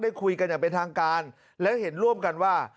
คุยกันอย่างเป็นทางการแล้วเห็นร่วมกันว่า